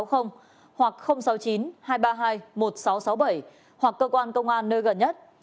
hoặc cơ quan công an nơi gần nhất